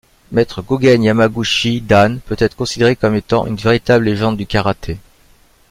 Maître Gogen Yamaguchi, dan, peut être considéré comme étant une véritable légende du karaté.